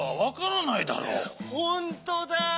ほんとだ！